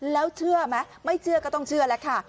แล้วเชื่อไหมไม่เชื่อก็ต้องเชื่อแล้วค่ะ